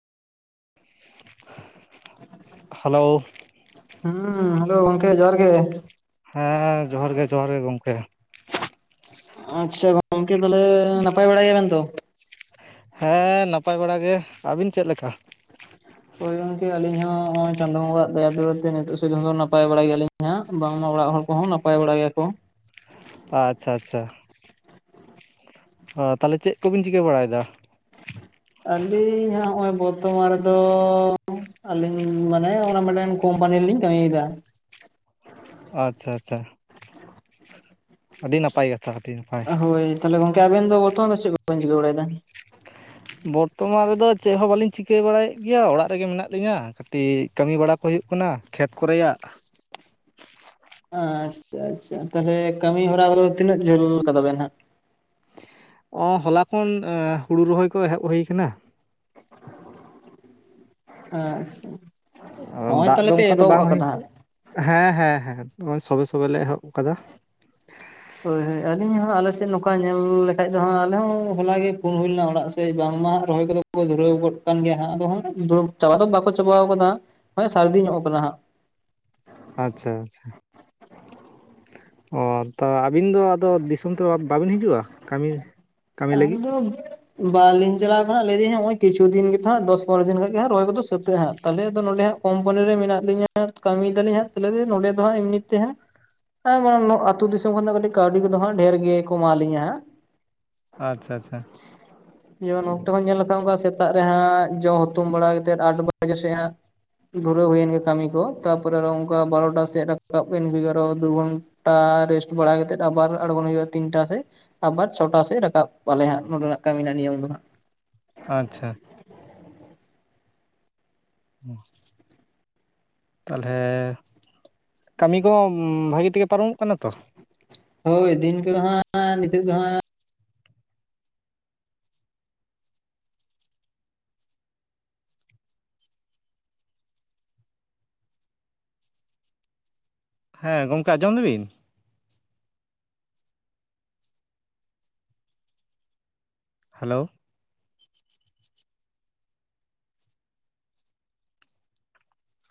[inaudible] Hello. ᱦᱮᱸ, hello ᱜᱚᱝᱠᱮ ᱡᱚᱦᱟᱨ ᱜᱮ᱾ ᱦᱮᱸᱻ ᱦᱮᱸ, ᱡᱚᱦᱟᱨ ᱜᱮ ᱡᱚᱦᱟᱨ ᱜᱮ ᱜᱚᱢᱠᱮ᱾ ᱟᱪᱪᱷᱟ ᱜᱚᱝᱠᱮ ᱛᱟᱦᱚᱞᱮ ᱱᱟᱯᱟᱭ ᱵᱟᱲᱟ ᱜᱮᱭᱟᱵᱮᱱ ᱛᱚ? ᱦᱮᱸ ᱱᱟᱯᱟᱭ ᱵᱟᱲᱟ ᱜᱮ᱾ ᱟᱹᱵᱤᱱ ᱪᱮᱫ ᱞᱮᱠᱟ? ᱦᱳᱭ ᱜᱚᱝᱠᱮ ᱟᱹᱞᱤᱧ ᱦᱚ ᱦᱚᱸᱜ-ᱚᱭ ᱪᱟᱸᱫᱳ ᱵᱚᱸᱜᱟᱣᱟᱜ ᱫᱟᱭᱟ ᱫᱩᱞᱟᱹᱲ ᱛᱮ ᱱᱤᱛᱚᱜ ᱥᱩᱫᱩ ᱫᱚ ᱱᱟᱯᱟᱭ ᱵᱟᱲᱟ ᱜᱮᱭᱟᱞᱤᱧ᱾ ᱦᱮᱸ [inaudible] ᱵᱟᱝᱢᱟ ᱚᱲᱟᱜ ᱦᱚᱲ ᱠᱚᱦᱚᱸ ᱱᱟᱯᱟᱭ ᱵᱟᱲᱟ ᱜᱮᱭᱟ ᱠᱚ᱾ ᱟᱪᱪᱷᱟ ᱟᱪᱪᱷᱟ᱾ ᱚ ᱛᱟᱦᱚᱞᱮ ᱪᱮᱫ ᱠᱚᱵᱤᱱ ᱪᱤᱠᱟᱹ ᱵᱟᱲᱟᱭ ᱫᱟ? ᱟᱹᱞᱤᱧ ᱦᱟᱸᱜ ᱱᱚᱜ-ᱚᱭ ᱵᱚᱨᱛᱚᱢᱟᱱ ᱨᱮᱫᱚ ᱟᱹᱞᱤᱧ ᱢᱟᱱᱮ ᱚᱱᱟ ᱢᱮᱰᱮᱱ ᱠᱚᱢᱯᱟᱱᱤ ᱨᱮᱞᱤᱧ ᱠᱟᱹᱢᱤᱭᱮᱫᱟ᱾ ᱟᱪᱪᱷᱟ ᱟᱪᱪᱷᱟ, [inaudible] ᱟᱹᱰᱤ ᱱᱟᱯᱟᱭ ᱠᱟᱛᱷᱟ ᱟᱹᱰᱤ ᱦᱳᱭ᱾ ᱛᱟᱦᱚᱞᱮ ᱜᱚᱝᱠᱮ ᱟᱵᱮᱱ ᱫᱚ ᱵᱚᱨᱛᱚᱢᱟᱱ ᱫᱚ ᱪᱮᱫ [inaudible] ᱪᱤᱠᱟᱹ ᱵᱟᱲᱟᱭ ᱫᱟ? ᱵᱚᱨᱛᱚᱢᱟᱱ ᱨᱮᱫᱚ ᱪᱮᱫ ᱦᱚᱸ ᱵᱟᱹᱞᱤᱧ ᱪᱤᱠᱟᱹ ᱵᱟᱲᱟᱭᱮᱫ ᱜᱮᱭᱟ᱾ ᱚᱲᱟᱜ ᱨᱮᱜᱮ ᱢᱮᱱᱟᱜ ᱞᱤᱧᱟ᱾ ᱠᱟᱹᱴᱤᱡ ᱠᱟᱹᱢᱤ ᱵᱟᱲᱟ ᱠᱚ ᱦᱩᱭᱩᱜ ᱠᱟᱱᱟ ᱠᱷᱮᱛ ᱠᱚᱨᱮᱭᱟᱜ᱾ ᱟᱪᱪᱷᱟ ᱟᱪᱪᱷᱟ, ᱛᱟᱦᱚᱞᱮ ᱠᱟᱹᱢᱤ ᱦᱚᱨᱟ ᱠᱚᱫᱚ ᱛᱤᱱᱟᱹᱜ ᱡᱷᱟᱹᱞ ᱠᱟᱫᱟ ᱵᱮᱱ ᱦᱟᱸᱜ? ᱚᱸᱻ ᱦᱚᱞᱟ ᱠᱷᱚᱱ ᱮ ᱦᱩᱲᱩ ᱨᱚᱦᱚᱭ ᱠᱚ ᱮᱦᱚᱵ ᱦᱩᱭ ᱟᱠᱟᱱᱟ᱾ ᱟᱪᱪᱷᱟ [inaudible] ᱦᱚᱸᱜᱼᱚᱭ ᱫᱟᱜ ᱛᱟᱦᱚᱞᱮ ᱫᱚ ᱯᱮ ᱚᱱᱠᱟ ᱫᱚ ᱮᱛᱚᱦᱚᱵ ᱵᱟᱝ ᱟᱠᱟᱫᱟ ᱦᱩᱭᱩᱜ ᱦᱟᱸᱜ ᱦᱮᱸ ᱦᱮᱸ ᱦᱮᱸ, ᱱᱚᱜ-ᱚᱭ ᱥᱚᱵᱮ ᱥᱚᱵᱮ ᱞᱮ ᱮᱦᱚᱵ ᱟᱠᱟᱫᱟ᱾ ᱦᱳᱭ ᱦᱳᱭ, ᱟᱹᱞᱤᱧ ᱦᱚᱸ ᱟᱞᱮᱥᱮᱫ ᱱᱚᱝᱠᱟ ᱧᱮᱞ ᱞᱮᱠᱷᱟᱡ ᱫᱚ ᱦᱟᱸᱜ ᱟᱞᱮ ᱦᱚᱸ ᱦᱚᱞᱟ ᱜᱮ ᱯᱷᱳᱱ ᱦᱩᱭ ᱞᱮᱱᱟ ᱚᱲᱟᱜ ᱥᱮᱫ ᱵᱟᱝᱢᱟ ᱨᱚᱦᱚᱭ ᱠᱚᱫᱚ ᱠᱚ ᱫᱷᱩᱨᱟᱹᱣ ᱜᱚᱫ ᱠᱟᱱ ᱜᱮᱭᱟ ᱦᱟᱸᱜ, ᱟᱫᱚ ᱪᱟᱵᱟ ᱫᱚ ᱵᱟᱠᱚ ᱪᱟᱵᱟᱣ ᱠᱟᱫᱟ ᱦᱚᱸᱜ-ᱚᱭ ᱥᱟᱹᱨᱫᱤ ᱧᱚᱜ ᱟᱠᱟᱱᱟ ᱦᱟᱸᱜ᱾ ᱟᱪᱪᱷᱟ ᱟᱪᱪᱷᱟ᱾ ᱚ ᱛᱟ ᱟᱹᱵᱤᱱ ᱫᱚ ᱟᱫᱚ ᱫᱤᱥᱚᱢ ᱛᱮ ᱵᱟᱵᱤᱱ ᱦᱤᱡᱩᱜ-ᱟ? ᱠᱟᱹᱢᱤ ᱠᱟᱹᱢᱤ ᱞᱟᱹᱜᱤᱫ ᱟᱫᱚᱢ ᱵᱟᱞᱤᱧ ᱪᱟᱞᱟᱣ ᱠᱟᱱᱟ ᱞᱟᱹᱭ ᱫᱤᱧ ᱦᱟᱜ ᱦᱚᱜᱚᱭ ᱠᱤᱪᱷᱩ ᱫᱤᱱ ᱜᱮᱛᱚ ᱦᱟᱜ ᱫᱚᱥ ᱯᱚᱱᱚ ᱫᱤᱱ ᱠᱷᱟᱱ ᱜᱮ ᱦᱟᱜ ᱨᱚᱦᱚᱭ ᱠᱚᱫᱚ ᱥᱟᱹᱛᱟᱹᱜ ᱦᱟᱜ᱾ ᱛᱟᱦᱚᱞᱮ ᱟᱫᱚ ᱱᱚᱰᱮ ᱦᱟᱜ ᱠᱚᱢᱯᱟᱱᱤ ᱨᱮ ᱢᱮᱱᱟᱜ ᱞᱤᱧᱟ ᱠᱟᱹᱢᱤᱭ ᱫᱟᱞᱤᱧ ᱦᱟᱜ ᱛᱤᱱᱟᱜ ᱫᱤᱱ ᱱᱚᱰᱮ ᱫᱚ ᱦᱟᱸᱜ ᱮᱢᱱᱤ ᱛᱮ ᱦᱟᱸᱜ ᱦᱮᱸ ᱢᱟᱱᱮ ᱟᱛᱳ ᱫᱤᱥᱚᱢ ᱠᱷᱚᱱ ᱫᱚ ᱠᱟᱹᱴᱤᱡ ᱠᱟᱹᱣᱰᱤ ᱠᱚ ᱫᱚ ᱦᱟᱸᱜ ᱰᱷᱮᱨ ᱜᱮ ᱠᱚ ᱮᱢᱟᱞᱤᱧᱟ ᱦᱟᱸᱜ᱾ ᱟᱪᱪᱷᱟ ᱟᱪᱪᱷᱟ᱾ [inaudible] ᱡᱮᱢᱚᱱ ᱚᱠᱛᱚ ᱦᱚᱸ ᱧᱮᱞ ᱞᱮᱠᱷᱟᱱ ᱚᱱᱠᱟ ᱥᱮᱛᱟᱜ ᱨᱮ ᱦᱟᱸᱜ ᱡᱚᱜ ᱦᱩᱛᱩᱢ ᱵᱟᱲᱟ ᱠᱟᱛᱮᱫ ᱟᱴ ᱵᱟᱡᱮ ᱥᱮᱫ ᱦᱟᱸᱜ ᱫᱷᱩᱨᱟᱹᱣ ᱦᱩᱭᱮᱱ ᱜᱮ ᱠᱟᱹᱢᱤ ᱠᱚ ᱛᱟᱯᱚᱨᱮ ᱚᱱᱠᱟ ᱵᱟᱨᱚᱴᱟ ᱥᱮᱫ ᱨᱟᱠᱟᱵ ᱮᱱᱜᱮ ᱟᱨᱚ ᱫᱩ ᱜᱷᱚᱱᱴᱟ ᱟ ᱨᱮᱥᱴ ᱵᱟᱲᱟ ᱠᱟᱛᱮ ᱟᱵᱟᱨ ᱟᱬᱜᱳ ᱦᱩᱭᱩᱜᱼᱟ ᱛᱤᱱᱴᱟ ᱥᱮᱫ ᱟᱵᱟᱨ ᱪᱷᱚᱴᱟ ᱥᱮᱫ [inaudible] ᱟᱞᱮ ᱦᱟᱸᱜ ᱱᱚᱰᱮᱱᱟᱜ ᱠᱟᱹᱢᱤ ᱨᱮᱱᱟᱜ ᱱᱤᱭᱚᱢ ᱫᱚ ᱦᱟᱸᱜ ᱟᱪᱪᱷᱟ᱾ [inaudible] ᱛᱟᱞᱦᱮ ᱠᱟᱹᱢᱤ ᱠᱚ ᱵᱷᱟᱜᱤ ᱛᱮᱜᱮ ᱯᱟᱨᱚᱢᱚᱜ ᱠᱟᱱᱟ ᱛᱚ? ᱦᱳᱭ ᱫᱤᱱ ᱠᱚᱫᱚ ᱦᱟᱸᱜ ᱱᱤᱛᱚᱜ ᱫᱚ ᱦᱟᱸᱜ ᱦᱮᱸ ᱜᱚᱝᱠᱮ ᱟᱸᱡᱚᱢ ᱫᱟᱵᱤᱱ? ᱦᱮᱞᱳ